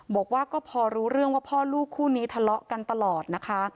บอกว่าก็พอรู้เรื่องว่าพ่อลูกคู่นี้ทะเลาะกันตลอดนะคะ